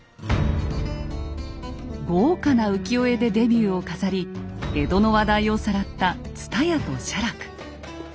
豪華な浮世絵でデビューを飾り江戸の話題をさらった蔦屋と写楽。